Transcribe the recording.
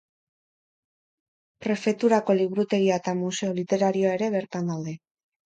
Prefeturako liburutegia eta Museo literarioa ere bertan daude.